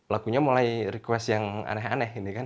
lagunya mulai request yang aneh aneh